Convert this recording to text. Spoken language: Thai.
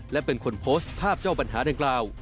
และเป็นคนโพสต์ภาพเจ้าปัญหาดังกล่าว